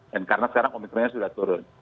dan karena sekarang omikronnya sudah turun